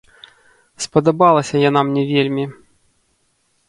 Спадабалася яна мне вельмі.